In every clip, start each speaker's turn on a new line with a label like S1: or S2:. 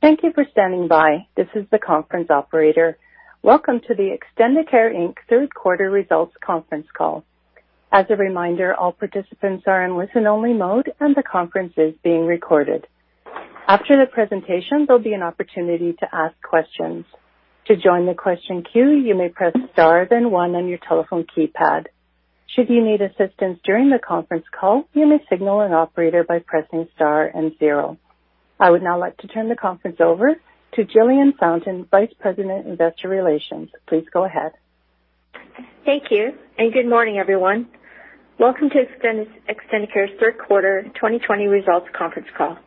S1: Thank you for standing by. This is the conference operator. Welcome to the Extendicare, Inc Third Quarter Results Conference Call. As a reminder, all participants are in listen-only mode and the conference is being recorded. After the presentation, there'll be an opportunity to ask questions. To join the question queue, you may press star then one on your telephone keypad. Should you need assistance during the conference call, you may signal an operator by pressing star and zero. I would now like to turn the conference over to Jillian Fountain, Vice President, Investor Relations. Please go ahead.
S2: Thank you. Good morning, everyone. Welcome to Extendicare's Third Quarter 2020 Results Conference Call.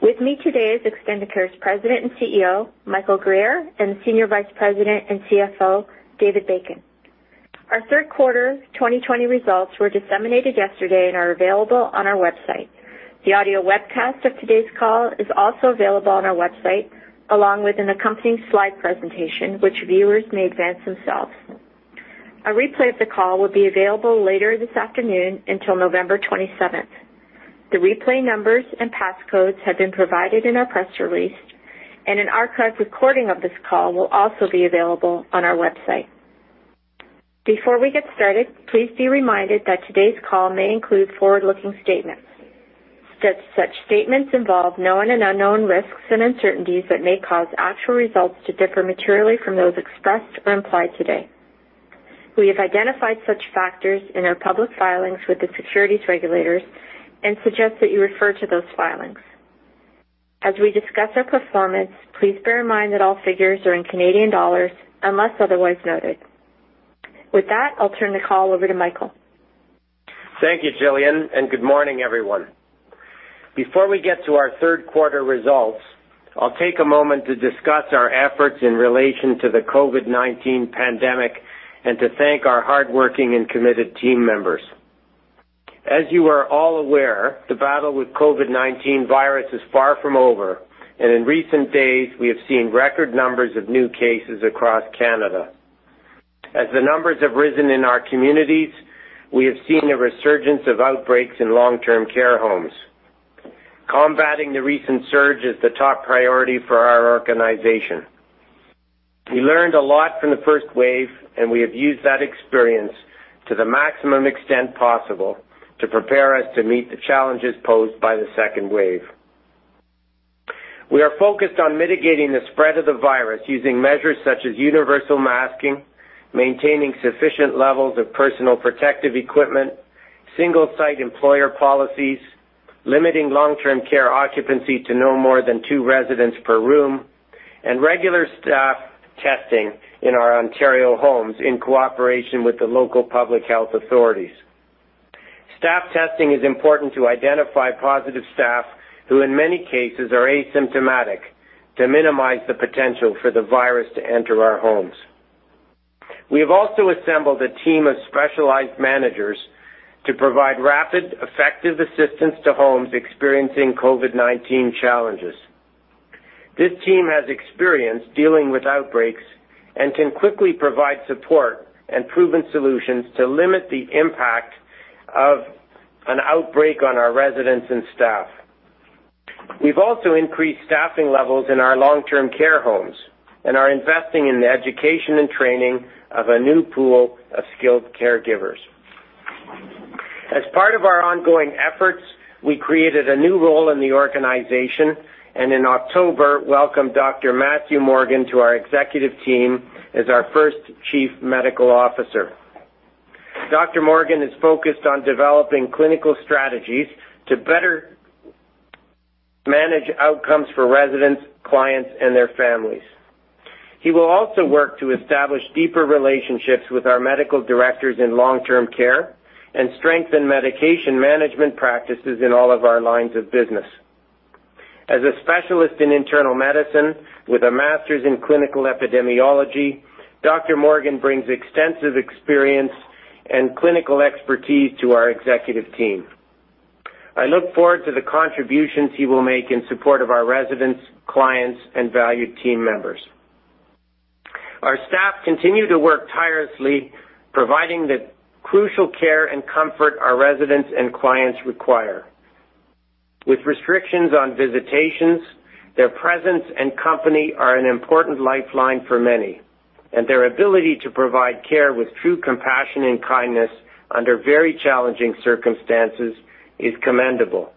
S2: With me today is Extendicare's president and CEO, Michael Guerriere, and senior vice president and CFO, David Bacon. Our third quarter 2020 results were disseminated yesterday and are available on our website. The audio webcast of today's call is also available on our website, along with an accompanying slide presentation, which viewers may advance themselves. A replay of the call will be available later this afternoon until November 27th. The replay numbers and passcodes have been provided in our press release, and an archived recording of this call will also be available on our website. Before we get started, please be reminded that today's call may include forward-looking statements. Such statements involve known and unknown risks and uncertainties that may cause actual results to differ materially from those expressed or implied today. We have identified such factors in our public filings with the securities regulators and suggest that you refer to those filings. As we discuss our performance, please bear in mind that all figures are in Canadian dollars unless otherwise noted. With that, I'll turn the call over to Michael.
S3: Thank you, Jillian, and good morning, everyone. Before we get to our third quarter results, I'll take a moment to discuss our efforts in relation to the COVID-19 pandemic and to thank our hardworking and committed team members. As you are all aware, the battle with COVID-19 virus is far from over, and in recent days, we have seen record numbers of new cases across Canada. As the numbers have risen in our communities, we have seen a resurgence of outbreaks in long-term care homes. Combating the recent surge is the top priority for our organization. We learned a lot from the first wave, and we have used that experience to the maximum extent possible to prepare us to meet the challenges posed by the second wave. We are focused on mitigating the spread of the virus using measures such as universal masking, maintaining sufficient levels of personal protective equipment, single-site employer policies, limiting long-term care occupancy to no more than two residents per room, and regular staff testing in our Ontario homes in cooperation with the local public health authorities. Staff testing is important to identify positive staff who in many cases are asymptomatic to minimize the potential for the virus to enter our homes. We have also assembled a team of specialized managers to provide rapid, effective assistance to homes experiencing COVID-19 challenges. This team has experience dealing with outbreaks and can quickly provide support and proven solutions to limit the impact of an outbreak on our residents and staff. We've also increased staffing levels in our long-term care homes and are investing in the education and training of a new pool of skilled caregivers. As part of our ongoing efforts, we created a new role in the organization, and in October, welcomed Dr. Matthew Morgan to our executive team as our first Chief Medical Officer. Dr. Morgan is focused on developing clinical strategies to better manage outcomes for residents, clients, and their families. He will also work to establish deeper relationships with our medical directors in long-term care and strengthen medication management practices in all of our lines of business. As a specialist in internal medicine with a master's in clinical epidemiology, Dr. Morgan brings extensive experience and clinical expertise to our executive team. I look forward to the contributions he will make in support of our residents, clients, and valued team members. Our staff continue to work tirelessly, providing the crucial care and comfort our residents and clients require. With restrictions on visitations, their presence and company are an important lifeline for many, and their ability to provide care with true compassion and kindness under very challenging circumstances is commendable.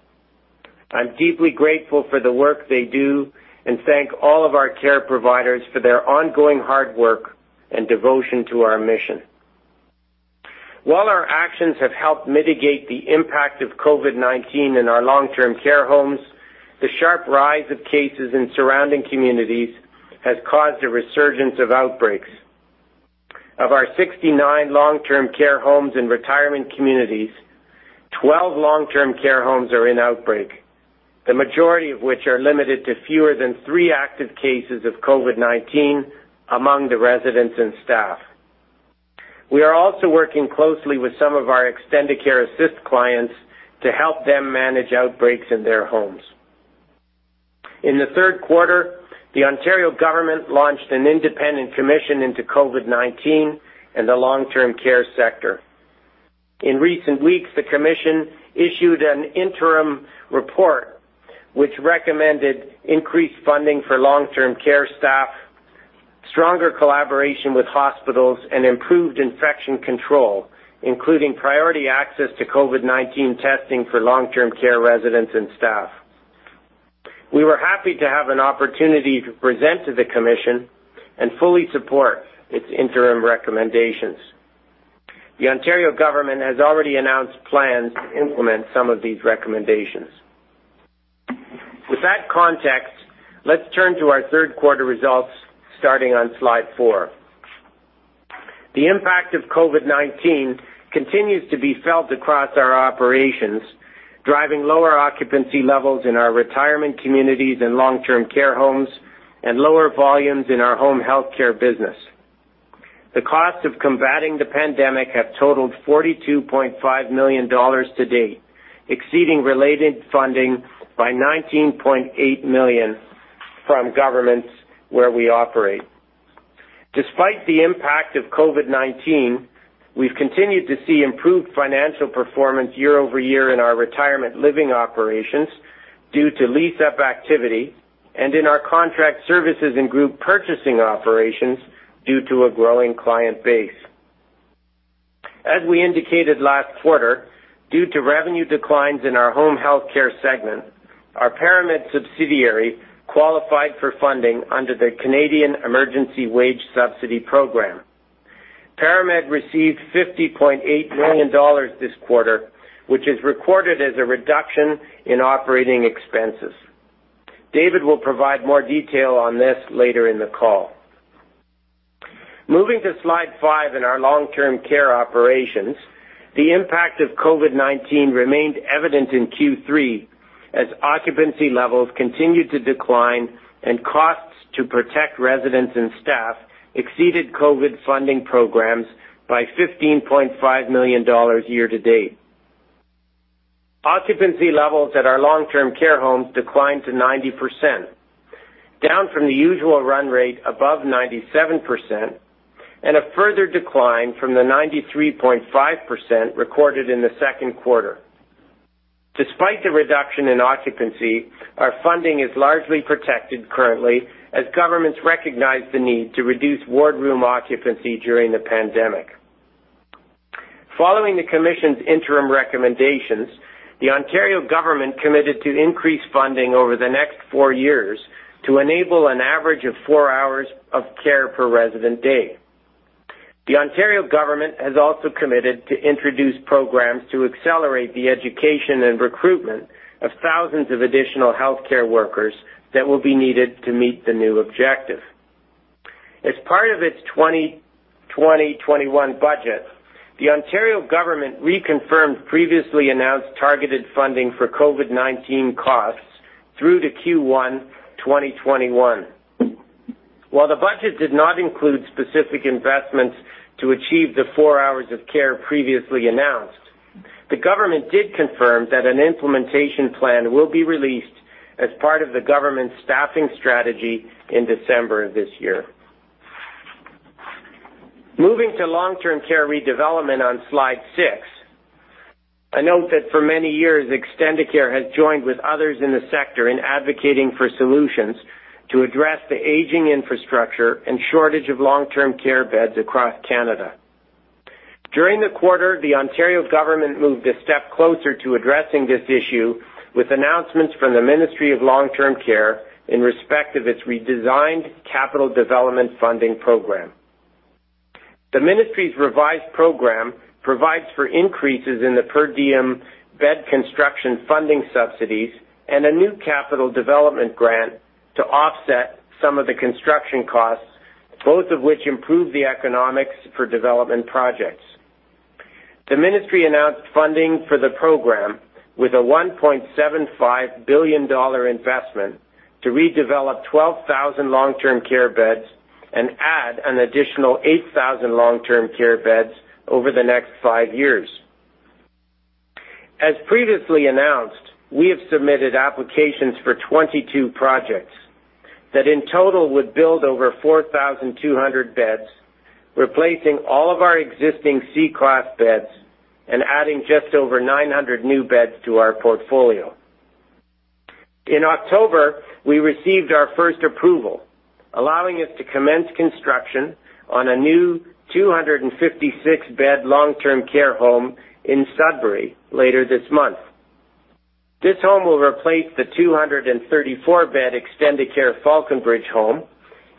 S3: I'm deeply grateful for the work they do and thank all of our care providers for their ongoing hard work and devotion to our mission. While our actions have helped mitigate the impact of COVID-19 in our long-term care homes, the sharp rise of cases in surrounding communities has caused a resurgence of outbreaks. Of our 69 long-term care homes and retirement communities, 12 long-term care homes are in outbreak, the majority of which are limited to fewer than three active cases of COVID-19 among the residents and staff. We are also working closely with some of our Extendicare Assist clients to help them manage outbreaks in their homes. In the third quarter, the Ontario government launched an independent commission into COVID-19 and the long-term care sector. In recent weeks, the commission issued an interim report which recommended increased funding for long-term care staff, stronger collaboration with hospitals, and improved infection control, including priority access to COVID-19 testing for long-term care residents and staff. We were happy to have an opportunity to present to the commission and fully support its interim recommendations. The Ontario government has already announced plans to implement some of these recommendations. With that context, let's turn to our third quarter results starting on slide four. The impact of COVID-19 continues to be felt across our operations, driving lower occupancy levels in our retirement communities and long-term care homes and lower volumes in our home health care business. The cost of combating the pandemic have totaled 42.5 million dollars to date, exceeding related funding by 19.8 million from governments where we operate. Despite the impact of COVID-19, we've continued to see improved financial performance year-over-year in our retirement living operations due to lease-up activity and in our contract services and group purchasing operations due to a growing client base. As we indicated last quarter, due to revenue declines in our home healthcare segment, our ParaMed subsidiary qualified for funding under the Canada Emergency Wage Subsidy Program. ParaMed received 50.8 million dollars this quarter, which is recorded as a reduction in operating expenses. David will provide more detail on this later in the call. Moving to slide five in our long-term care operations, the impact of COVID-19 remained evident in Q3 as occupancy levels continued to decline and costs to protect residents and staff exceeded COVID funding programs by 15.5 million dollars year to date. Occupancy levels at our long-term care homes declined to 90%, down from the usual run rate above 97% and a further decline from the 93.5% recorded in the second quarter. Despite the reduction in occupancy, our funding is largely protected currently as governments recognize the need to reduce wardroom occupancy during the pandemic. Following the commission's interim recommendations, the Ontario government committed to increase funding over the next four years to enable an average of four hours of care per resident day. The Ontario Government has also committed to introduce programs to accelerate the education and recruitment of thousands of additional healthcare workers that will be needed to meet the new objective. As part of its 2020, 2021 budget, the Ontario Government reconfirmed previously announced targeted funding for COVID-19 costs through to Q1 2021. While the budget did not include specific investments to achieve the four hours of care previously announced, the government did confirm that an implementation plan will be released as part of the government's staffing strategy in December of this year. Moving to long-term care redevelopment on slide six, I note that for many years, Extendicare has joined with others in the sector in advocating for solutions to address the aging infrastructure and shortage of long-term care beds across Canada. During the quarter, the Ontario government moved a step closer to addressing this issue with announcements from the Ministry of Long-Term Care in respect of its redesigned capital development funding program. The ministry's revised program provides for increases in the per diem bed construction funding subsidies and a new capital development grant to offset some of the construction costs, both of which improve the economics for development projects. The ministry announced funding for the program with a 1.75 billion dollar investment to redevelop 12,000 long-term care beds and add an additional 8,000 long-term care beds over the next five years. As previously announced, we have submitted applications for 22 projects that in total would build over 4,200 beds, replacing all of our existing C-class beds and adding just over 900 new beds to our portfolio. In October, we received our first approval, allowing us to commence construction on a new 256-bed long-term care home in Sudbury later this month. This home will replace the 234-bed Extendicare Falconbridge home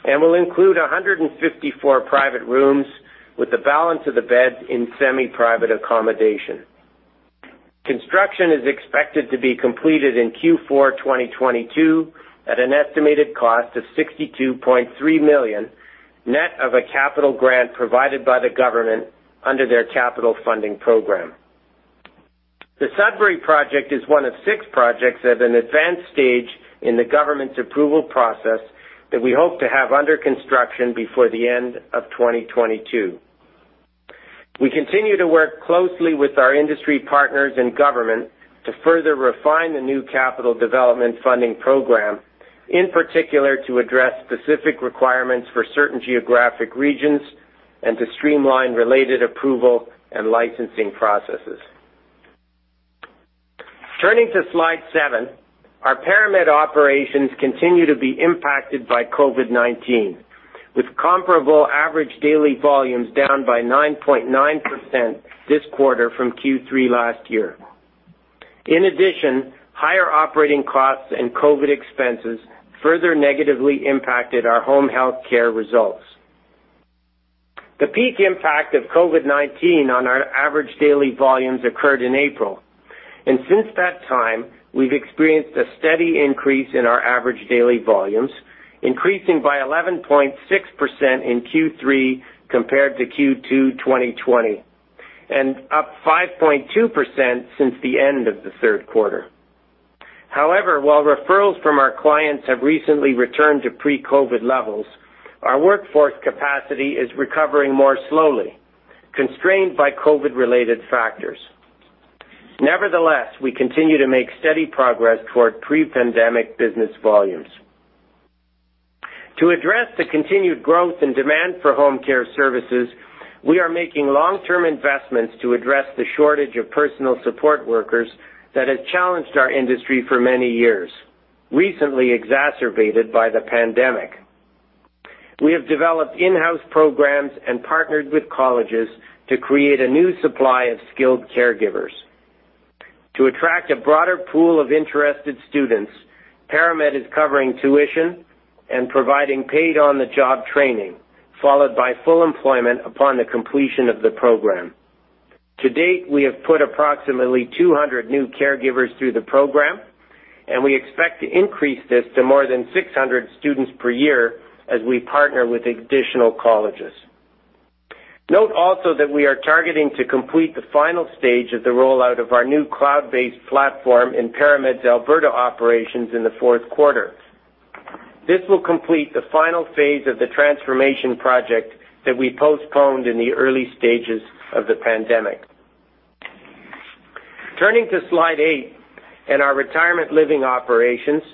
S3: and will include 154 private rooms with the balance of the beds in semi-private accommodation. Construction is expected to be completed in Q4 2022 at an estimated cost of 62.3 million, net of a capital grant provided by the government under their Capital Funding Program. The Sudbury project is one of six projects at an advanced stage in the government's approval process that we hope to have under construction before the end of 2022. We continue to work closely with our industry partners and government to further refine the new Capital Development Funding Program. In particular, to address specific requirements for certain geographic regions and to streamline related approval and licensing processes. Turning to slide seven, our ParaMed operations continue to be impacted by COVID-19, with comparable average daily volumes down by 9.9% this quarter from Q3 last year. In addition, higher operating costs and COVID expenses further negatively impacted our home healthcare results. The peak impact of COVID-19 on our average daily volumes occurred in April, and since that time, we've experienced a steady increase in our average daily volumes, increasing by 11.6% in Q3 compared to Q2 2020, and up 5.2% since the end of the third quarter. However, while referrals from our clients have recently returned to pre-COVID levels, our workforce capacity is recovering more slowly, constrained by COVID-related factors. Nevertheless, we continue to make steady progress toward pre-pandemic business volumes. To address the continued growth and demand for home care services, we are making long-term investments to address the shortage of Personal Support Workers that has challenged our industry for many years, recently exacerbated by the pandemic. We have developed in-house programs and partnered with colleges to create a new supply of skilled caregivers. To attract a broader pool of interested students, ParaMed is covering tuition and providing paid on-the-job training, followed by full employment upon the completion of the program. To date, we have put approximately 200 new caregivers through the program, and we expect to increase this to more than 600 students per year as we partner with additional colleges. Note also that we are targeting to complete the final stage of the rollout of our new cloud-based platform in ParaMed's Alberta operations in the fourth quarter. This will complete the final phase of the transformation project that we postponed in the early stages of the pandemic. Turning to slide eight and our retirement living operations,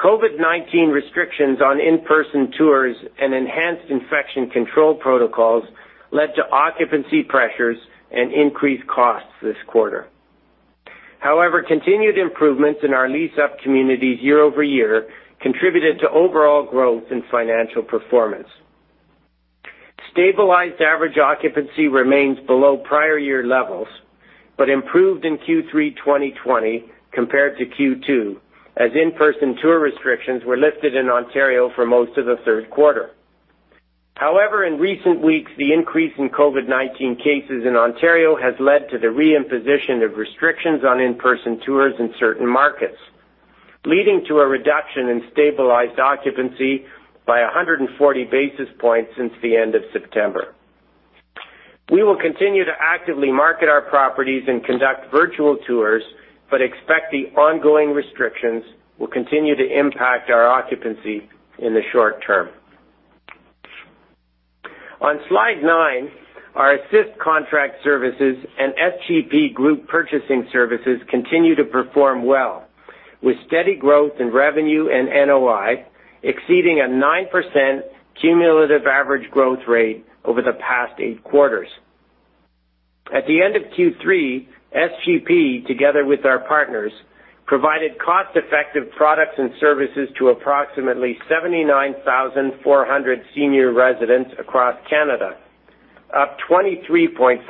S3: COVID-19 restrictions on in-person tours and enhanced infection control protocols led to occupancy pressures and increased costs this quarter. Continued improvements in our leased-up communities year-over-year contributed to overall growth and financial performance. Stabilized average occupancy remains below prior year levels, but improved in Q3 2020 compared to Q2, as in-person tour restrictions were lifted in Ontario for most of the third quarter. In recent weeks, the increase in COVID-19 cases in Ontario has led to the re-imposition of restrictions on in-person tours in certain markets, leading to a reduction in stabilized occupancy by 140 basis points since the end of September. We will continue to actively market our properties and conduct virtual tours. Expect the ongoing restrictions will continue to impact our occupancy in the short term. On slide nine, our Assist contract services and SGP group purchasing services continue to perform well, with steady growth in revenue and NOI exceeding a 9% cumulative average growth rate over the past eight quarters. At the end of Q3, SGP, together with our partners, provided cost-effective products and services to approximately 79,400 senior residents across Canada, up 23.5%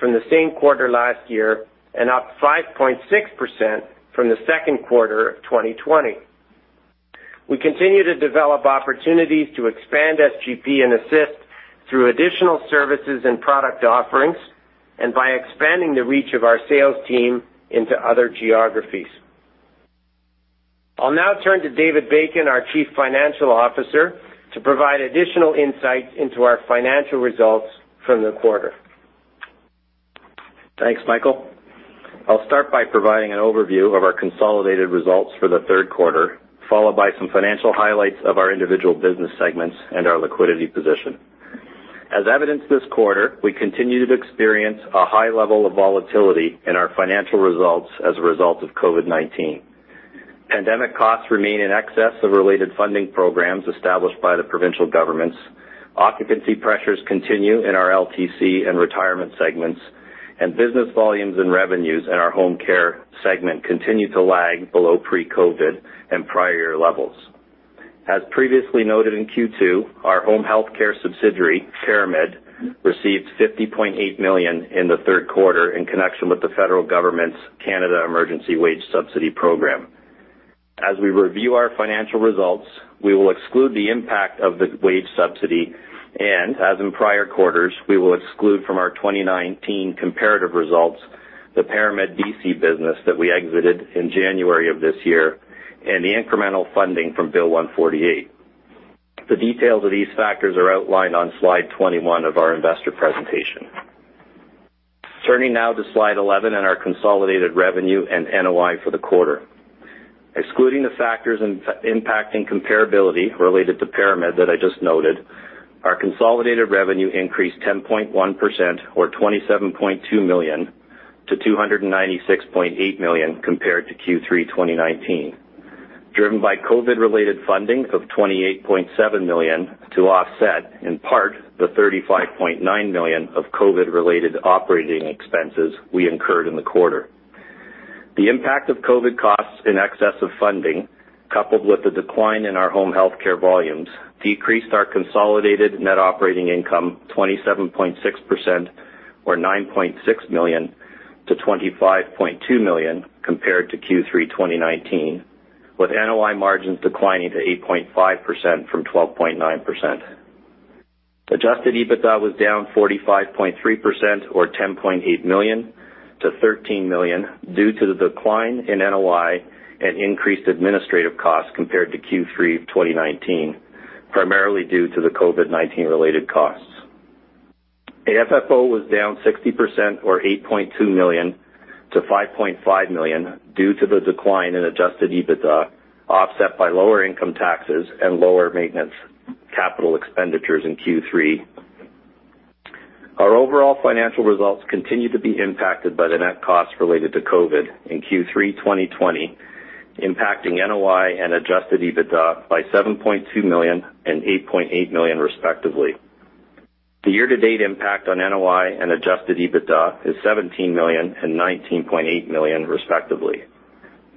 S3: from the same quarter last year and up 5.6% from the second quarter of 2020. We continue to develop opportunities to expand SGP and Assist through additional services and product offerings and by expanding the reach of our sales team into other geographies. I'll now turn to David Bacon, our Chief Financial Officer, to provide additional insights into our financial results from the quarter.
S4: Thanks, Michael. I will start by providing an overview of our consolidated results for the third quarter, followed by some financial highlights of our individual business segments and our liquidity position. As evidenced this quarter, we continue to experience a high level of volatility in our financial results as a result of COVID-19. Pandemic costs remain in excess of related funding programs established by the provincial governments. Occupancy pressures continue in our LTC and retirement segments, and business volumes and revenues in our home care segment continue to lag below pre-COVID and prior year levels. As previously noted in Q2, our home healthcare subsidiary, ParaMed, received 50.8 million in the third quarter in connection with the federal government's Canada Emergency Wage Subsidy program. As we review our financial results, we will exclude the impact of the wage subsidy, as in prior quarters, we will exclude from our 2019 comparative results the ParaMed B.C. business that we exited in January of this year and the incremental funding from Bill 148. The details of these factors are outlined on slide 21 of our investor presentation. Turning now to slide 11 and our consolidated revenue and NOI for the quarter. Excluding the factors impacting comparability related to ParaMed that I just noted, our consolidated revenue increased 10.1%, or 27.2 million to 296.8 million compared to Q3 2019, driven by COVID-related funding of 28.7 million to offset in part the 35.9 million of COVID-related operating expenses we incurred in the quarter. The impact of COVID costs in excess of funding, coupled with the decline in our home health care volumes, decreased our consolidated net operating income 27.6%, or 9.6 million, to 25.2 million compared to Q3 2019, with NOI margins declining to 8.5% from 12.9%. Adjusted EBITDA was down 45.3%, or 10.8 million, to 13 million due to the decline in NOI and increased administrative costs compared to Q3 of 2019, primarily due to the COVID-19 related costs. AFFO was down 60%, or 8.2 million, to 5.5 million due to the decline in adjusted EBITDA, offset by lower income taxes and lower maintenance capital expenditures in Q3. Our overall financial results continue to be impacted by the net costs related to COVID in Q3 2020, impacting NOI and adjusted EBITDA by 7.2 million and 8.8 million respectively. The year-to-date impact on NOI and adjusted EBITDA is 17 million and 19.8 million respectively.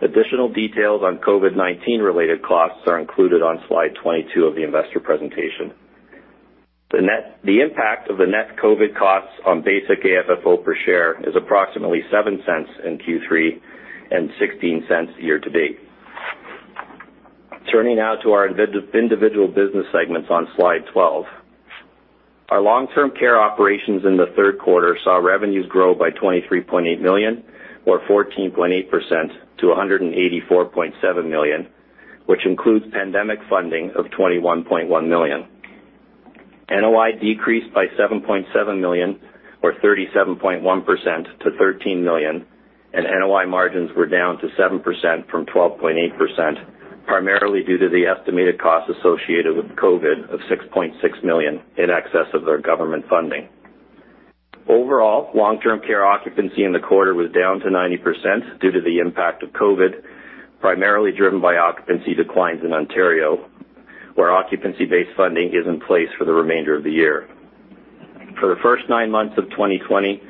S4: Additional details on COVID-19 related costs are included on slide 22 of the investor presentation. The impact of the net COVID costs on basic AFFO per share is approximately 0.07 in Q3 and 0.16 year-to-date. Turning now to our individual business segments on slide 12. Our long-term care operations in the third quarter saw revenues grow by 23.8 million, or 14.8%, to 184.7 million, which includes pandemic funding of 21.1 million. NOI decreased by 7.7 million or 37.1% to 13 million and NOI margins were down to 7% from 12.8%, primarily due to the estimated costs associated with COVID of 6.6 million in excess of their government funding. Overall, long-term care occupancy in the quarter was down to 90% due to the impact of COVID, primarily driven by occupancy declines in Ontario, where occupancy-based funding is in place for the remainder of the year. For the first nine months of 2020,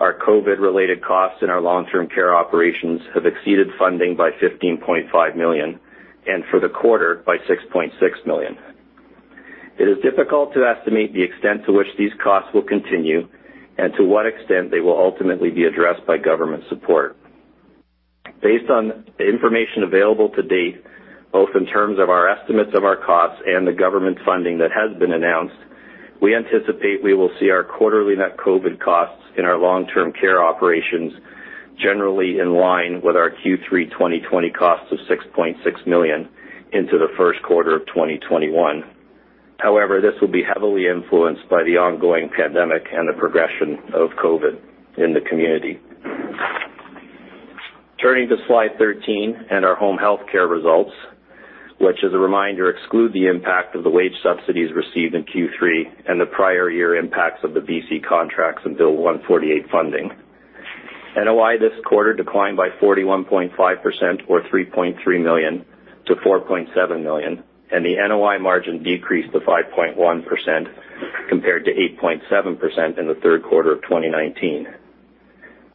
S4: our COVID-related costs in our long-term care operations have exceeded funding by 15.5 million, and for the quarter by 6.6 million. It is difficult to estimate the extent to which these costs will continue and to what extent they will ultimately be addressed by government support. Based on the information available to date, both in terms of our estimates of our costs and the government funding that has been announced, we anticipate we will see our quarterly net COVID costs in our long-term care operations generally in line with our Q3 2020 costs of 6.6 million into the first quarter of 2021. However, this will be heavily influenced by the ongoing pandemic and the progression of COVID in the community. Turning to slide 13 and our home health care results, which as a reminder exclude the impact of the wage subsidies received in Q3 and the prior year impacts of the B.C. contracts and Bill 148 funding. NOI this quarter declined by 41.5%, or 3.3 million, to 4.7 million and the NOI margin decreased to 5.1% compared to 8.7% in the third quarter of 2019.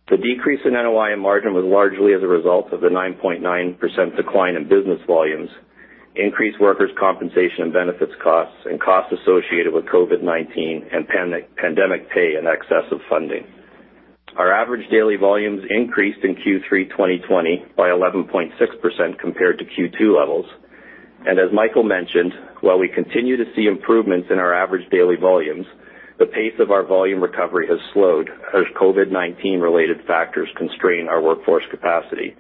S4: The decrease in NOI margin was largely as a result of the 9.9% decline in business volumes, increased workers' compensation and benefits costs and costs associated with COVID-19 and pandemic pay in excess of funding. Our average daily volumes increased in Q3 2020 by 11.6% compared to Q2 levels. As Michael mentioned, while we continue to see improvements in our average daily volumes, the pace of our volume recovery has slowed as COVID-19 related factors constrain our workforce capacity,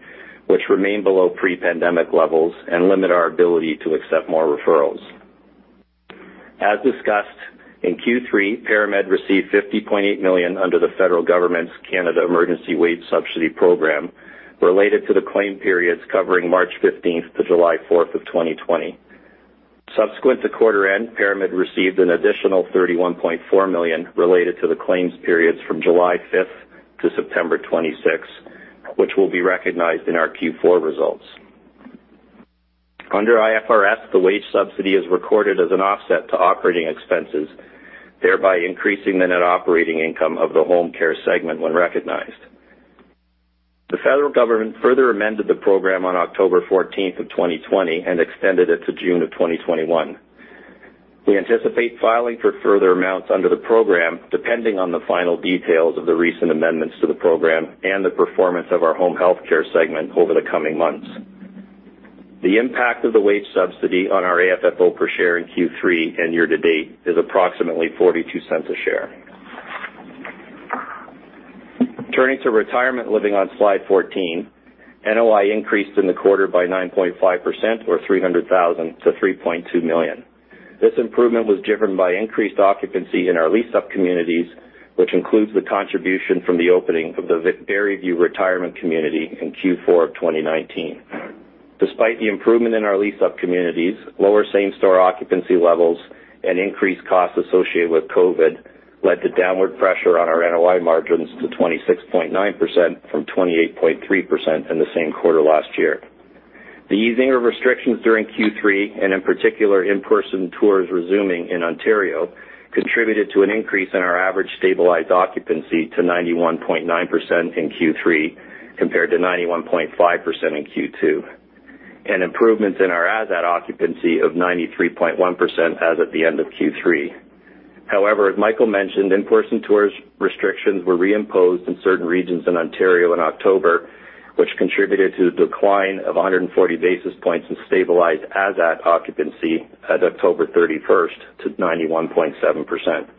S4: which remain below pre-pandemic levels and limit our ability to accept more referrals. As discussed, in Q3, ParaMed received 50.8 million under the federal government's Canada Emergency Wage Subsidy program related to the claim periods covering March 15th to July 4th of 2020. Subsequent to quarter end, ParaMed received an additional 31.4 million related to the claims periods from July 5th to September 26th, which will be recognized in our Q4 results. Under IFRS, the wage subsidy is recorded as an offset to operating expenses, thereby increasing the net operating income of the home care segment when recognized. The federal government further amended the program on October 14th of 2020 and extended it to June of 2021. We anticipate filing for further amounts under the program depending on the final details of the recent amendments to the program and the performance of our home health care segment over the coming months. The impact of the Wage Subsidy on our AFFO per share in Q3 and year-to-date is approximately 0.42 a share. Turning to retirement living on slide 14, NOI increased in the quarter by 9.5%, or 300,000 to 3.2 million. This improvement was driven by increased occupancy in our leased-up communities, which includes the contribution from the opening of the Barrie View Retirement Community in Q4 2019. Despite the improvement in our leased-up communities, lower same-store occupancy levels and increased costs associated with COVID led to downward pressure on our NOI margins to 26.9% from 28.3% in the same quarter last year. The easing of restrictions during Q3, and in particular, in-person tours resuming in Ontario, contributed to an increase in our average stabilized occupancy to 91.9% in Q3, compared to 91.5% in Q2, and improvements in our as at occupancy of 93.1% as at the end of Q3. As Michael mentioned, in-person tours restrictions were reimposed in certain regions in Ontario in October, which contributed to the decline of 140 basis points in stabilized as at occupancy at October 31st to 91.7%.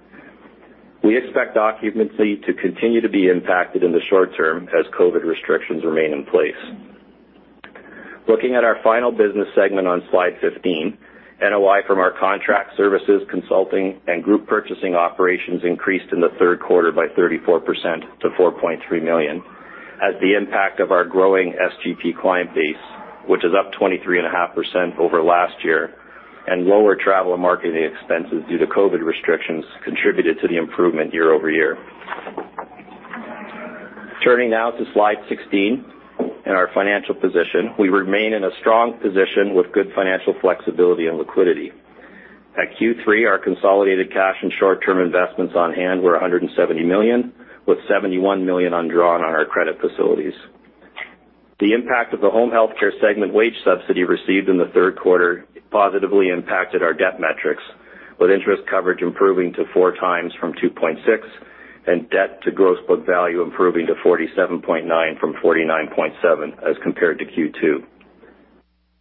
S4: We expect occupancy to continue to be impacted in the short term as COVID restrictions remain in place. Looking at our final business segment on slide 15, NOI from our contract services, consulting, and group purchasing operations increased in the third quarter by 34% to 4.3 million as the impact of our growing SGP client base, which is up 23.5% over last year, and lower travel and marketing expenses due to COVID restrictions contributed to the improvement year-over-year. Turning now to slide 16 and our financial position, we remain in a strong position with good financial flexibility and liquidity. At Q3, our consolidated cash and short-term investments on hand were 170 million, with 71 million undrawn on our credit facilities. The impact of the home healthcare segment wage subsidy received in the third quarter positively impacted our debt metrics, with interest coverage improving to 4x from 2.6x, and debt to gross book value improving to 47.9% from 49.7% as compared to Q2.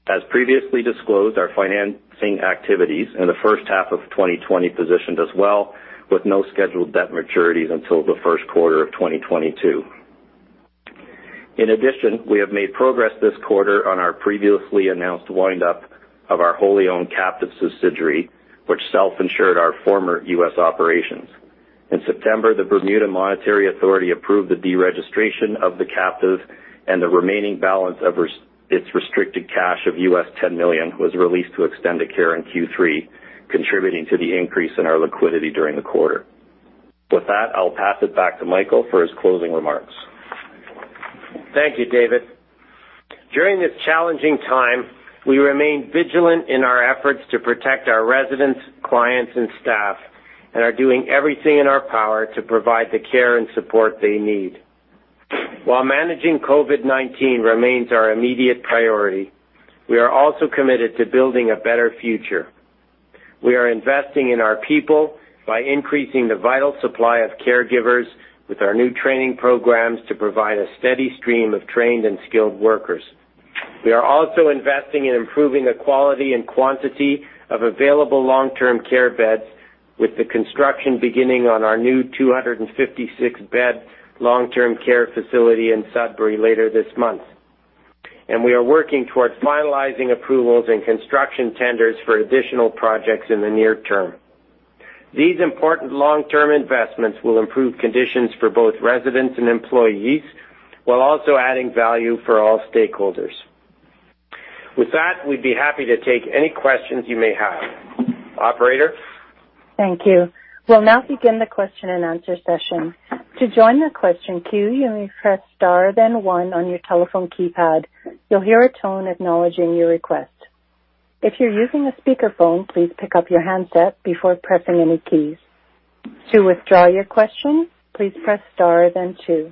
S4: As previously disclosed, our financing activities in the first half of 2020 positioned us well, with no scheduled debt maturities until the first quarter of 2022. In addition, we have made progress this quarter on our previously announced wind-up of our wholly owned captive subsidiary, which self-insured our former U.S. operations. In September, the Bermuda Monetary Authority approved the deregistration of the captive, and the remaining balance of its restricted cash of $10 million was released to Extendicare in Q3, contributing to the increase in our liquidity during the quarter. With that, I'll pass it back to Michael for his closing remarks.
S3: Thank you, David. During this challenging time, we remain vigilant in our efforts to protect our residents, clients, and staff, and are doing everything in our power to provide the care and support they need. While managing COVID-19 remains our immediate priority, we are also committed to building a better future. We are investing in our people by increasing the vital supply of caregivers with our new training programs to provide a steady stream of trained and skilled workers. We are also investing in improving the quality and quantity of available long-term care beds with the construction beginning on our new 256-bed long-term care facility in Sudbury later this month. We are working towards finalizing approvals and construction tenders for additional projects in the near term. These important long-term investments will improve conditions for both residents and employees, while also adding value for all stakeholders. With that, we'd be happy to take any questions you may have. Operator?
S1: Thank you. We'll now begin the question and answer session. To join the question queue, you may press star then one on your telephone keypad. You'll hear a tone acknowledging your request. If you're using a speakerphone, please pick up your handset before pressing any keys. To withdraw your question, please press star then two.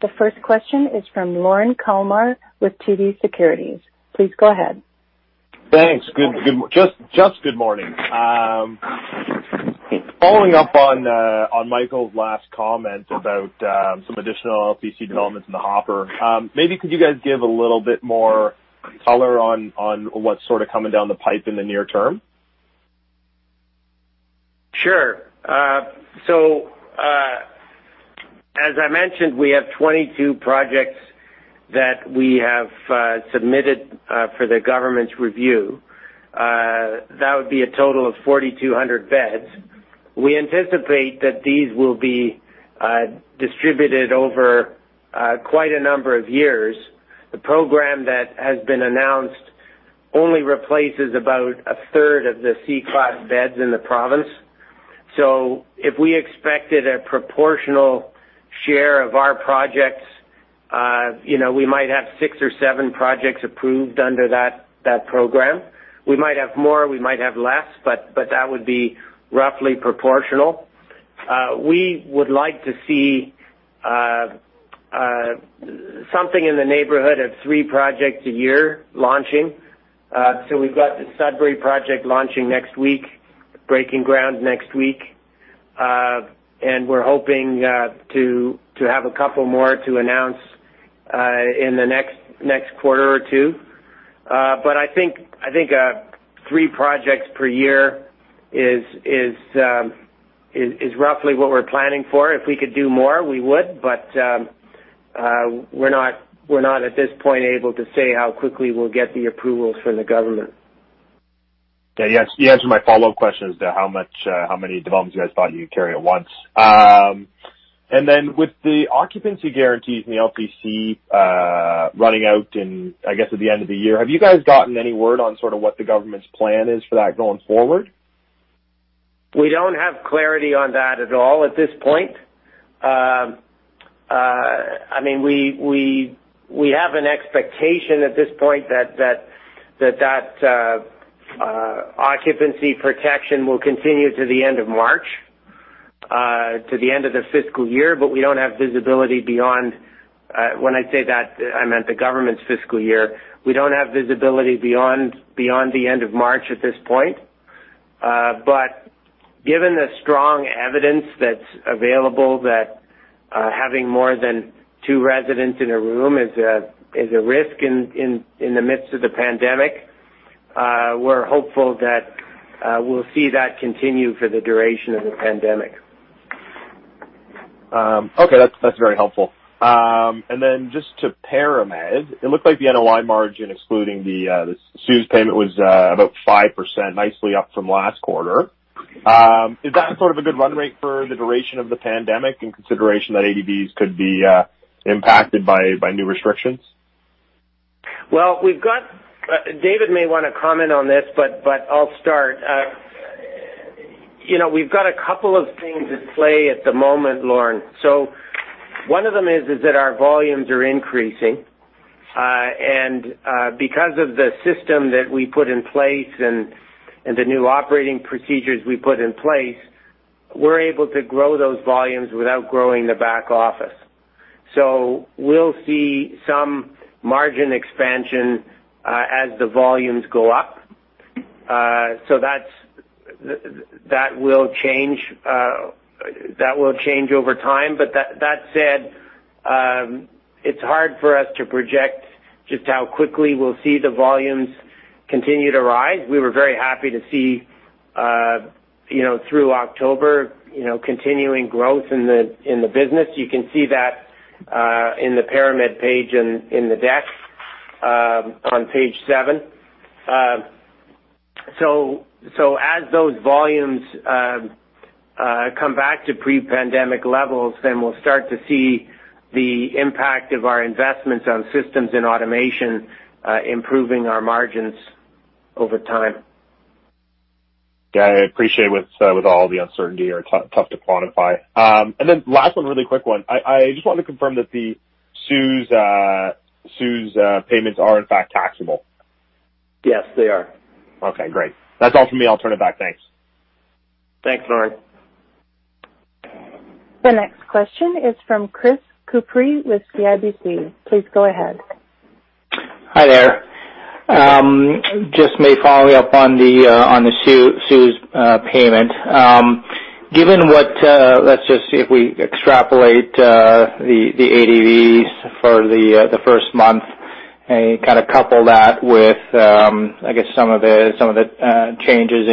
S1: The first question is from Lorne Kalmar with TD Securities. Please go ahead.
S5: Thanks. Just good morning. Following up on Michael's last comment about some additional LTC developments in the hopper, maybe could you guys give a little bit more color on what's sort of coming down the pipe in the near term?
S3: Sure. As I mentioned, we have 22 projects that we have submitted for the government's review. That would be a total of 4,200 beds. We anticipate that these will be distributed over quite a number of years. The program that has been announced only replaces about a third of the C-class beds in the province. If we expected a proportional share of our projects, we might have six or seven projects approved under that program. We might have more, we might have less, but that would be roughly proportional. We would like to see something in the neighborhood of three projects a year launching. We've got the Sudbury project launching next week, breaking ground next week, and we're hoping to have a couple more to announce in the next quarter or two. I think three projects per year is roughly what we're planning for. If we could do more, we would, but we're not at this point able to say how quickly we'll get the approvals from the government.
S5: Okay. You answered my follow-up question as to how many developments you guys thought you could carry at once. With the occupancy guarantees in the LTC running out in, I guess, at the end of the year, have you guys gotten any word on sort of what the government's plan is for that going forward?
S3: We don't have clarity on that at all at this point. We have an expectation at this point that occupancy protection will continue to the end of March, to the end of the fiscal year. When I say that, I meant the government's fiscal year. We don't have visibility beyond the end of March at this point. Given the strong evidence that's available that having more than two residents in a room is a risk in the midst of the pandemic, we're hopeful that we'll see that continue for the duration of the pandemic.
S5: Okay. That's very helpful. Then just to ParaMed. It looked like the NOI margin excluding the CEWS payment was about 5%, nicely up from last quarter. Is that sort of a good run rate for the duration of the pandemic in consideration that ADVs could be impacted by new restrictions?
S3: Well, David may want to comment on this, but I'll start. We've got a couple of things at play at the moment, Lorne. One of them is that our volumes are increasing. Because of the system that we put in place and the new operating procedures we put in place, we're able to grow those volumes without growing the back office. We'll see some margin expansion as the volumes go up. That will change over time. That said, it's hard for us to project just how quickly we'll see the volumes continue to rise. We were very happy to see through October, continuing growth in the business. You can see that in the ParaMed page in the deck, on page seven. As those volumes come back to pre-pandemic levels, then we'll start to see the impact of our investments on systems and automation, improving our margins over time.
S5: Yeah, I appreciate with all the uncertainty are tough to quantify. Last one, really quick one. I just wanted to confirm that the CEWS payments are in fact taxable.
S4: Yes, they are.
S5: Okay, great. That's all from me. I'll turn it back. Thanks.
S3: Thanks, Lorne.
S1: The next question is from Chris Couprie with CIBC. Please go ahead.
S6: Hi there. Just maybe following up on the CEWS payment. Given what, let's just see if we extrapolate the ADVs for the first month and kind of couple that with, I guess, some of the changes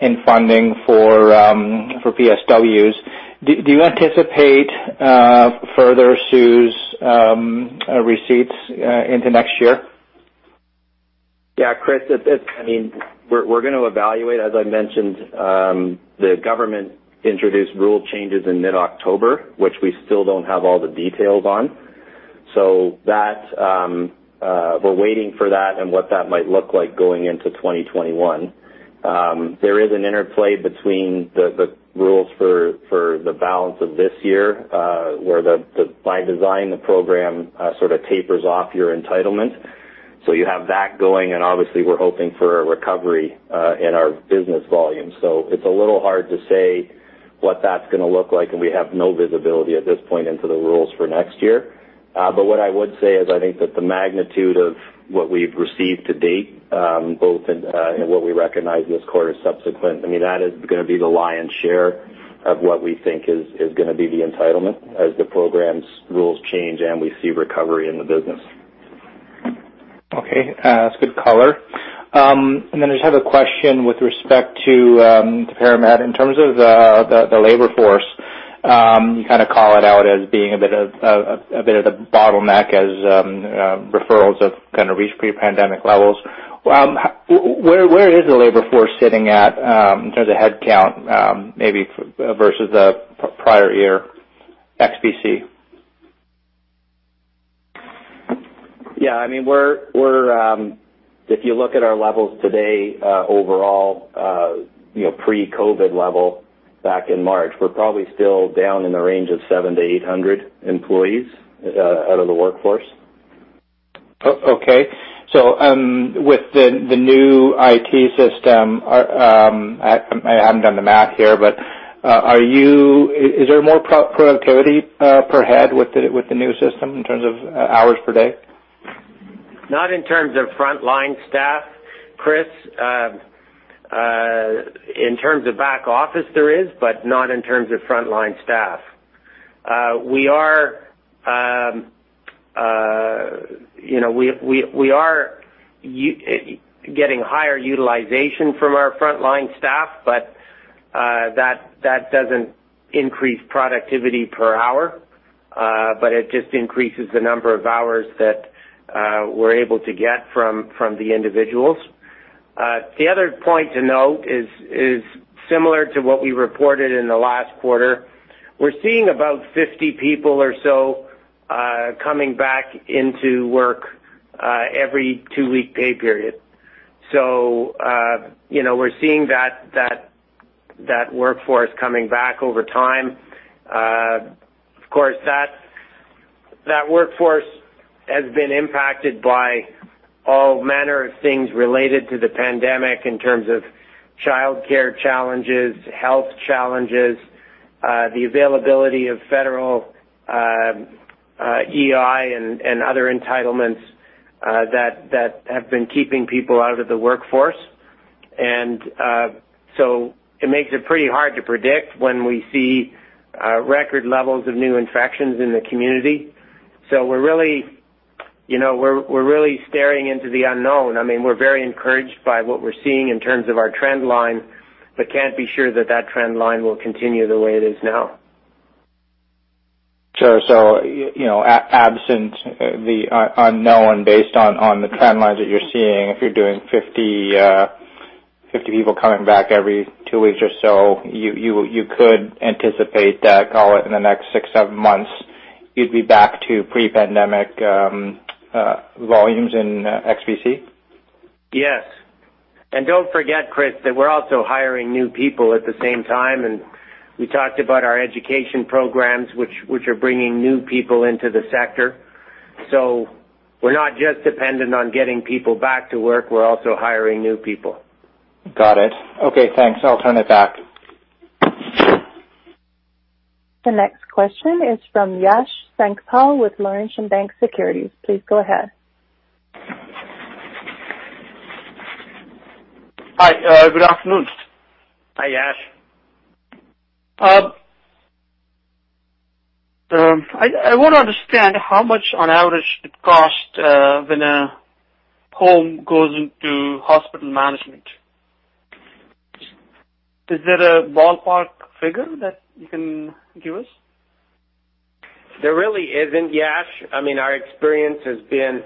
S6: in funding for PSWs. Do you anticipate further CEWS receipts into next year?
S4: Yeah, Chris, we're going to evaluate, as I mentioned, the government introduced rule changes in mid-October, which we still don't have all the details on. We're waiting for that and what that might look like going into 2021. There is an interplay between the rules for the balance of this year, where by design the program sort of tapers off your entitlement. You have that going, and obviously, we're hoping for a recovery in our business volume. It's a little hard to say what that's going to look like, and we have no visibility at this point into the rules for next year. What I would say is, I think that the magnitude of what we've received to date, both in what we recognize this quarter, subsequent, that is gonna be the lion's share of what we think is gonna be the entitlement as the program's rules change and we see recovery in the business.
S6: Okay. That's good color. I just have a question with respect to ParaMed in terms of the labor force. You kind of call it out as being a bit of the bottleneck as referrals have kind of reached pre-pandemic levels. Where is the labor force sitting at in terms of headcount, maybe versus the prior year, x B.C.?
S4: Yeah. If you look at our levels today overall, pre-COVID level back in March, we're probably still down in the range of 700-800 employees out of the workforce.
S6: Okay. With the new IT system, I haven't done the math here, but is there more productivity per head with the new system in terms of hours per day?
S3: Not in terms of frontline staff, Chris. In terms of back office, there is, but not in terms of frontline staff. We are getting higher utilization from our frontline staff. That doesn't increase productivity per hour, but it just increases the number of hours that we're able to get from the individuals. The other point to note is similar to what we reported in the last quarter. We're seeing about 50 people or so coming back into work every two-week pay period. We're seeing that workforce coming back over time. Of course, that workforce has been impacted by all manner of things related to the pandemic in terms of childcare challenges, health challenges, the availability of federal EI and other entitlements that have been keeping people out of the workforce. It makes it pretty hard to predict when we see record levels of new infections in the community. We're really staring into the unknown. I mean, we're very encouraged by what we're seeing in terms of our trend line, but can't be sure that trend line will continue the way it is now.
S6: Absent the unknown, based on the trend lines that you're seeing, if you're doing 50 people coming back every two weeks or so, you could anticipate that, call it in the next six, seven months, you'd be back to pre-pandemic volumes in ex-B.C.?
S3: Yes. Don't forget, Chris, that we're also hiring new people at the same time, and we talked about our education programs, which are bringing new people into the sector. We're not just dependent on getting people back to work, we're also hiring new people.
S6: Got it. Okay, thanks. I'll turn it back.
S1: The next question is from Yash Sankpal with Laurentian Bank Securities. Please go ahead.
S7: Hi, good afternoon.
S3: Hi, Yash.
S7: I want to understand how much on average it costs when a home goes into hospital management. Is there a ballpark figure that you can give us?
S3: There really isn't, Yash. I mean, our experience has been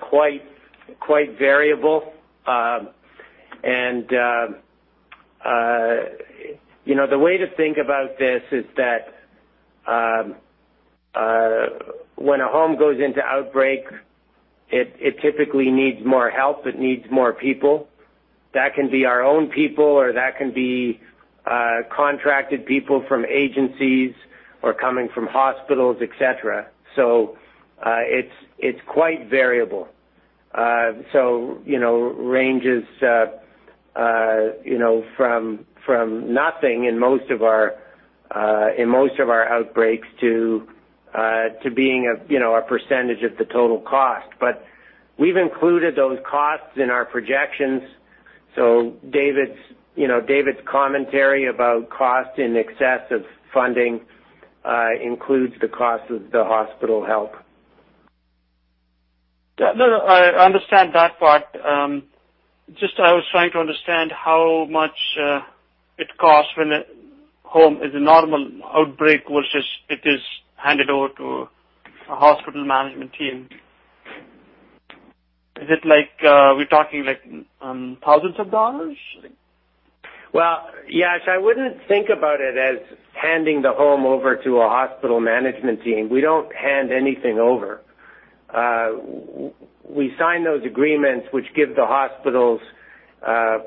S3: quite variable. The way to think about this is that, when a home goes into outbreak, it typically needs more help. It needs more people. That can be our own people, or that can be contracted people from agencies or coming from hospitals, et cetera. It's quite variable. Ranges from nothing in most of our outbreaks to being a percentage of the total cost. We've included those costs in our projections. David's commentary about cost in excess of funding includes the cost of the hospital help.
S7: No, I understand that part. Just, I was trying to understand how much it costs when a home is a normal outbreak versus it is handed over to a hospital management team. Is it like, we're talking thousands of CAD?
S3: Well, Yash, I wouldn't think about it as handing the home over to a hospital management team. We don't hand anything over. We sign those agreements, which give the hospitals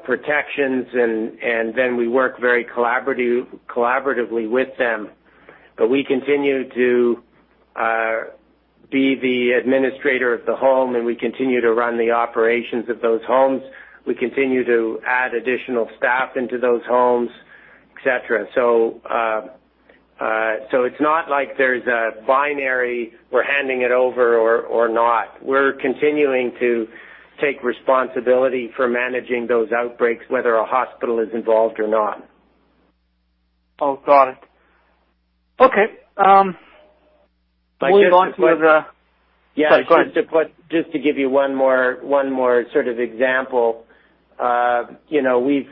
S3: protections, then we work very collaboratively with them. We continue to be the administrator of the home, and we continue to run the operations of those homes. We continue to add additional staff into those homes, et cetera. It's not like there's a binary, we're handing it over or not. We're continuing to take responsibility for managing those outbreaks, whether a hospital is involved or not.
S7: Oh, got it. Okay. Moving on to the-
S3: Yeah.
S7: Sorry, go ahead.
S3: Just to give you one more sort of example.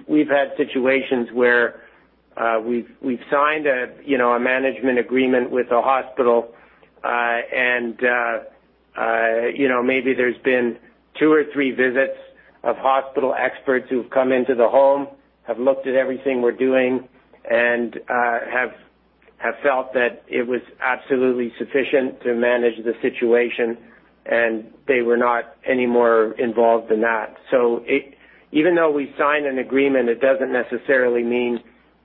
S3: We've had situations where we've signed a management agreement with a hospital, and maybe there's been two or three visits of hospital experts who've come into the home, have looked at everything we're doing and have felt that it was absolutely sufficient to manage the situation, and they were not any more involved than that. Even though we sign an agreement, it doesn't necessarily mean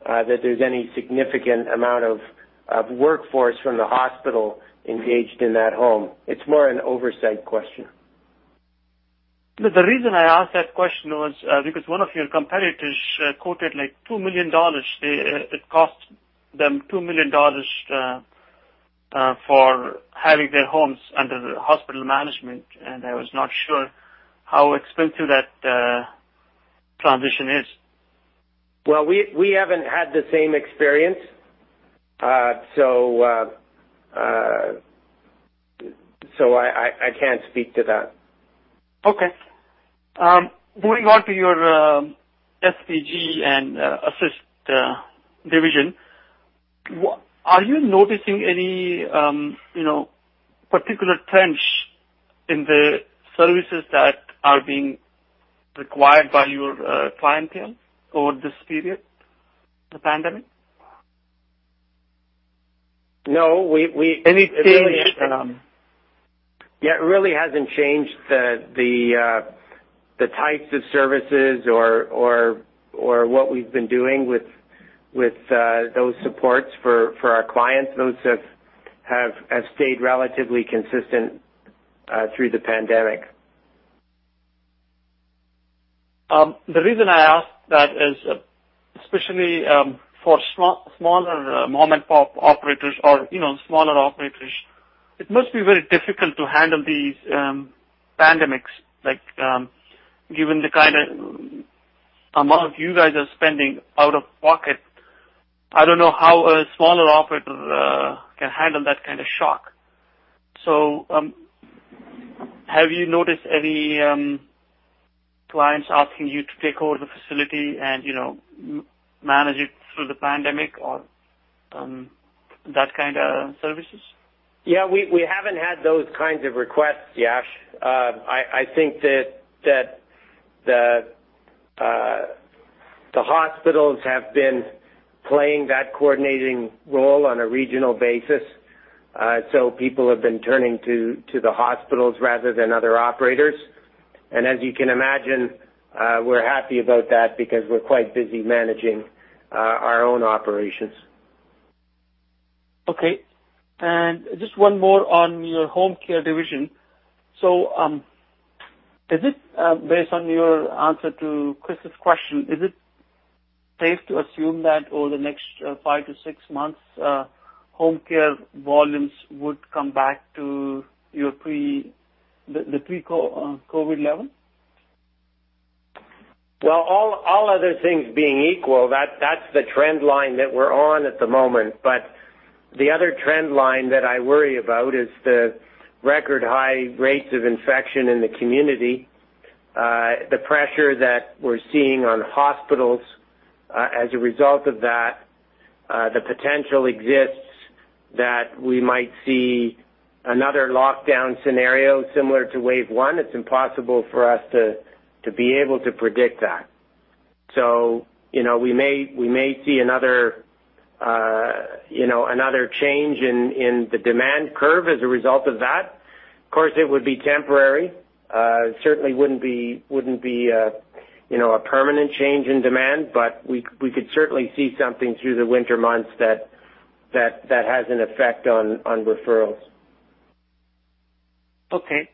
S3: that there's any significant amount of workforce from the hospital engaged in that home. It's more an oversight question.
S7: The reason I asked that question was because one of your competitors quoted, like, 2 million dollars. It cost them 2 million dollars for having their homes under the hospital management, and I was not sure how expensive that transition is.
S3: Well, we haven't had the same experience. I can't speak to that.
S7: Okay. Moving on to your SGP and Assist division, are you noticing any particular trends in the services that are being required by your clientele over this period of the pandemic?
S3: No.
S7: Any change?
S3: Yeah, it really hasn't changed the types of services or what we've been doing with those supports for our clients. Those have stayed relatively consistent through the pandemic.
S7: The reason I ask that is, especially for smaller mom-and-pop operators or smaller operators, it must be very difficult to handle these pandemics, given the kind of amount you guys are spending out of pocket. I don't know how a smaller operator can handle that kind of shock. Have you noticed any clients asking you to take over the facility and manage it through the pandemic or that kind of services?
S3: Yeah, we haven't had those kinds of requests, Yash. I think that the hospitals have been playing that coordinating role on a regional basis. People have been turning to the hospitals rather than other operators. As you can imagine, we're happy about that because we're quite busy managing our own operations.
S7: Okay. Just one more on your home care division. Based on your answer to Chris's question, is it safe to assume that over the next five to six months, home care volumes would come back to the pre-COVID level?
S3: Well, all other things being equal, that's the trend line that we're on at the moment. The other trend line that I worry about is the record high rates of infection in the community, the pressure that we're seeing on hospitals as a result of that, the potential exists that we might see another lockdown scenario similar to wave one. It's impossible for us to be able to predict that. We may see another change in the demand curve as a result of that. Of course, it would be temporary. It certainly wouldn't be a permanent change in demand, but we could certainly see something through the winter months that has an effect on referrals.
S7: Okay.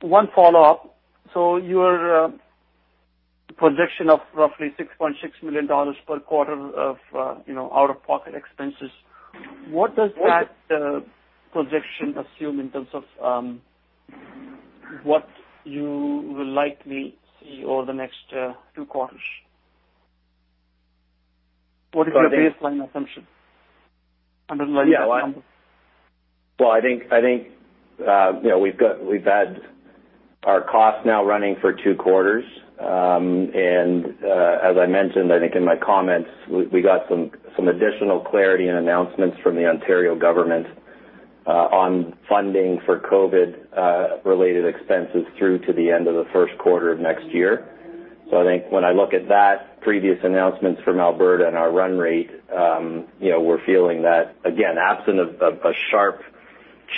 S7: One follow-up. Your projection of roughly 6.6 million dollars per quarter of out-of-pocket expenses, what does that projection assume in terms of what you will likely see over the next two quarters? What is your baseline assumption?
S4: I think we've had our costs now running for two quarters. As I mentioned, I think in my comments, we got some additional clarity and announcements from the Ontario government on funding for COVID-related expenses through to the end of the first quarter of next year. I think when I look at that, previous announcements from Alberta and our run rate, we're feeling that, again, absent of a sharp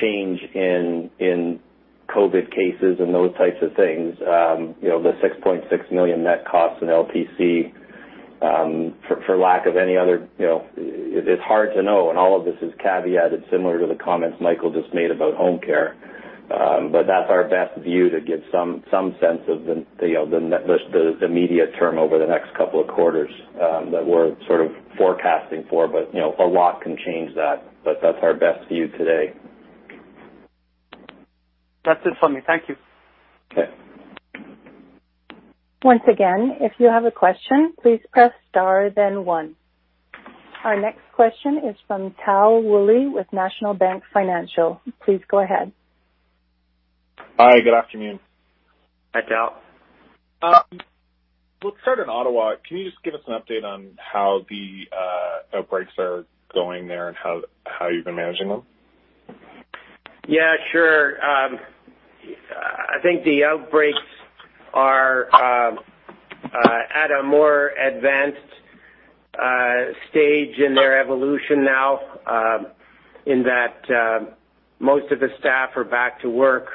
S4: change in COVID cases and those types of things, the 6.6 million net cost in LTC, for lack of any other, it's hard to know, and all of this is caveated similar to the comments Michael just made about home care. That's our best view to give some sense of the immediate term over the next couple of quarters that we're sort of forecasting for. A lot can change that. That's our best view today.
S7: That's it for me. Thank you.
S4: Okay.
S1: Once again, if you have a question, please press star then one. Our next question is from Tal Woolley with National Bank Financial. Please go ahead.
S8: Hi, good afternoon.
S4: Hi, Tal.
S8: Let's start in Ottawa. Can you just give us an update on how the outbreaks are going there and how you've been managing them?
S3: Yeah, sure. I think the outbreaks are at a more advanced stage in their evolution now, in that most of the staff are back to work,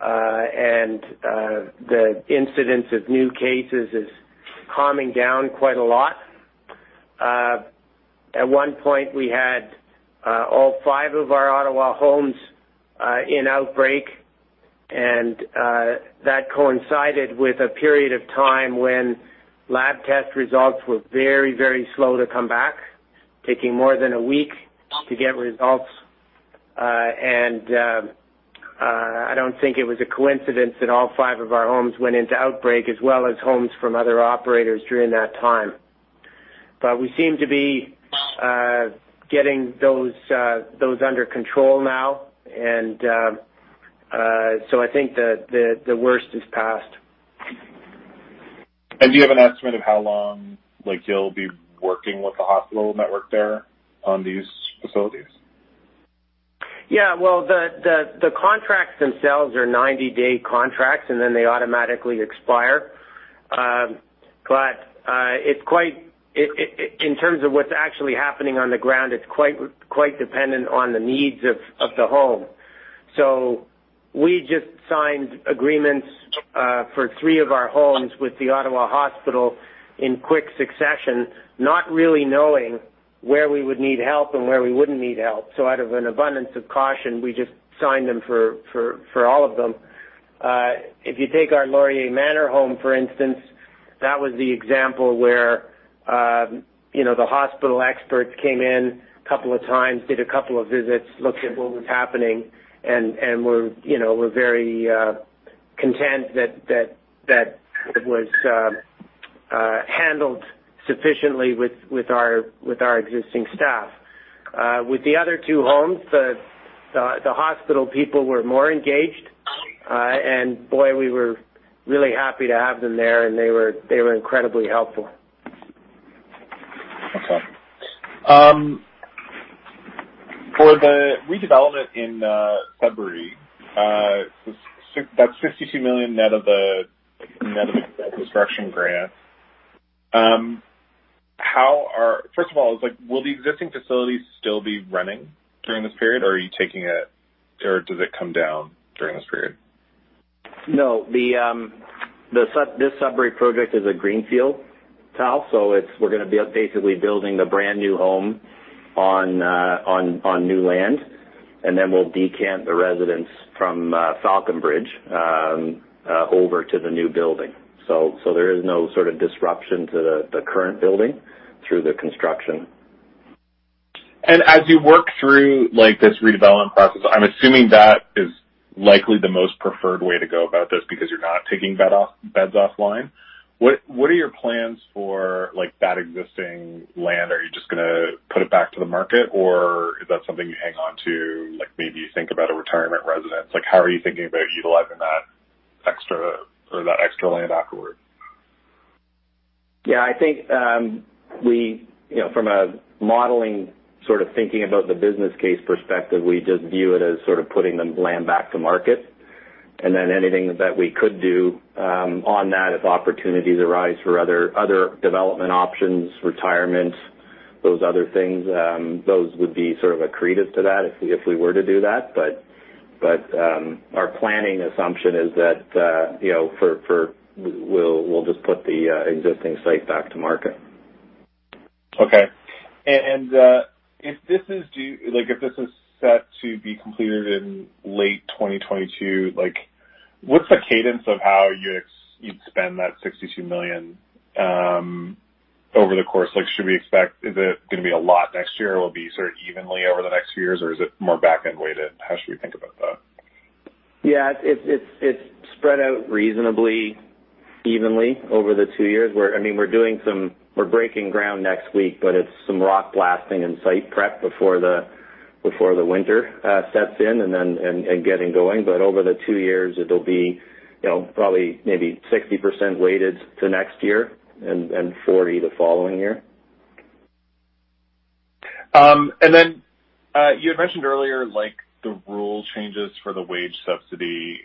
S3: and the incidence of new cases is calming down quite a lot. At one point, we had all five of our Ottawa homes in outbreak. That coincided with a period of time when lab test results were very slow to come back, taking more than a week to get results. I don't think it was a coincidence that all five of our homes went into outbreak as well as homes from other operators during that time. We seem to be getting those under control now. I think the worst is past.
S8: Do you have an estimate of how long you'll be working with the hospital network there on these facilities?
S3: Yeah. Well, the contracts themselves are 90-day contracts, then they automatically expire. In terms of what's actually happening on the ground, it's quite dependent on the needs of the home. We just signed agreements for three of our homes with The Ottawa Hospital in quick succession, not really knowing where we would need help and where we wouldn't need help. Out of an abundance of caution, we just signed them for all of them. If you take our Extendicare Laurier Manor home, for instance, that was the example where the hospital experts came in a couple of times, did a couple of visits, looked at what was happening, and were very content that it was handled sufficiently with our existing staff. With the other two homes, the hospital people were more engaged. Boy, we were really happy to have them there, and they were incredibly helpful.
S8: Okay. For the redevelopment in Sudbury, that's 62 million net of the construction grant. First of all, will the existing facilities still be running during this period, or does it come down during this period?
S3: No. This Sudbury project is a greenfield, Tal. We're going to be basically building a brand new home on new land, and then we'll decant the residents from Falconbridge over to the new building. There is no sort of disruption to the current building through the construction.
S8: As you work through this redevelopment process, I am assuming that is likely the most preferred way to go about this because you are not taking beds offline. What are your plans for that existing land? Are you just going to put it back to the market, or is that something you hang on to, maybe you think about a retirement residence? How are you thinking about utilizing that extra land afterward?
S3: Yeah. I think from a modeling sort of thinking about the business case perspective, we just view it as sort of putting the land back to market. Anything that we could do on that as opportunities arise for other development options, retirements, those other things, those would be sort of accretive to that if we were to do that. Our planning assumption is that we'll just put the existing site back to market.
S8: Okay. If this is set to be completed in late 2022, what's the cadence of how you'd spend that 62 million over the course? Is it going to be a lot next year? Will it be sort of evenly over the next few years, or is it more back-end weighted? How should we think about that?
S4: Yeah. It's spread out reasonably evenly over the two years. We're breaking ground next week, but it's some rock blasting and site prep before the winter sets in and getting going. Over the two years, it'll be probably maybe 60% weighted to next year and 40% the following year.
S8: You had mentioned earlier the rule changes for the wage subsidy.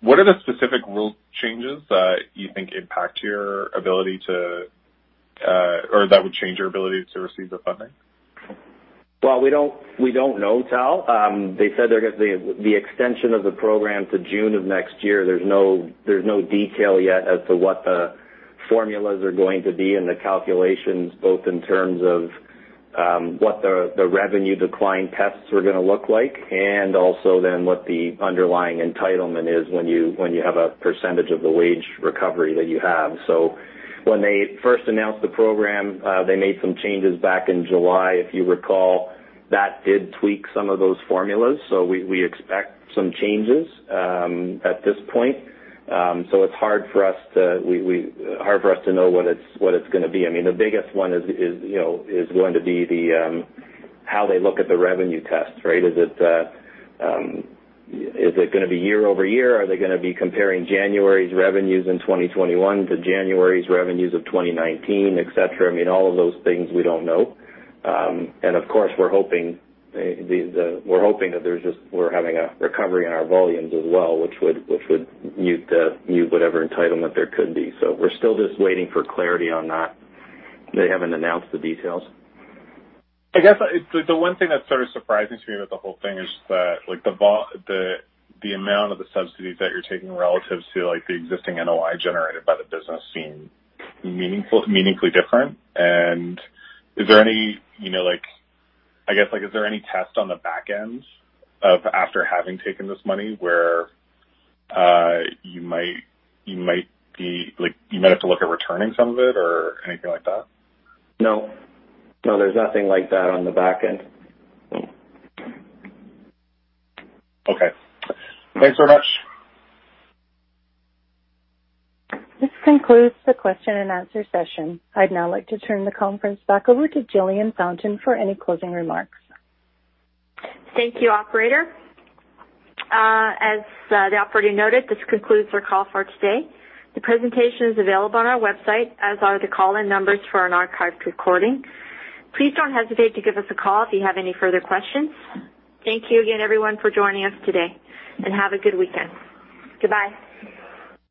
S8: What are the specific rule changes that you think impact your ability to, or that would change your ability to receive the funding?
S4: Well, we don't know, Tal. They said they're going to the extension of the program to June of next year, there's no detail yet as to what the formulas are going to be and the calculations, both in terms of what the revenue decline tests are going to look like and also then what the underlying entitlement is when you have a percentage of the wage recovery that you have. When they first announced the program, they made some changes back in July, if you recall. That did tweak some of those formulas. We expect some changes at this point. It's hard for us to know what it's going to be. The biggest one is going to be how they look at the revenue tests, right? Is it going to be year-over-year? Are they going to be comparing January's revenues in 2021 to January's revenues of 2019, et cetera? All of those things we don't know. Of course, we're hoping that we're having a recovery in our volumes as well, which would mute whatever entitlement there could be. We're still just waiting for clarity on that. They haven't announced the details.
S8: I guess the one thing that sort of surprises me about the whole thing is that the amount of the subsidies that you're taking relative to the existing NOI generated by the business seem meaningfully different. I guess, is there any test on the back end of after having taken this money where you might have to look at returning some of it or anything like that?
S4: No. There's nothing like that on the back end.
S8: Okay. Thanks very much.
S1: This concludes the question and answer session. I'd now like to turn the conference back over to Jillian Fountain for any closing remarks.
S2: Thank you, operator. As the operator noted, this concludes our call for today. The presentation is available on our website, as are the call-in numbers for an archived recording. Please don't hesitate to give us a call if you have any further questions. Thank you again, everyone, for joining us today, and have a good weekend. Goodbye.